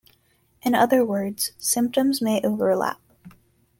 In other words, symptoms may overlap.